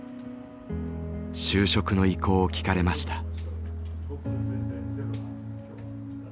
就職の意向を聞かれました。